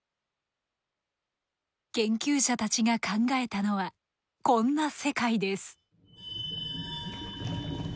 研究者たちが考えたのはこんな世界です。